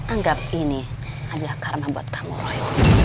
anggap ini adalah karena buat kamu roy